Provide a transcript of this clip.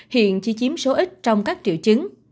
hiện chỉ chiếm số ít trong các triệu chứng